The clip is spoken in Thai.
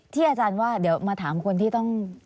อาจารย์ว่าเดี๋ยวมาถามคนที่ต้อง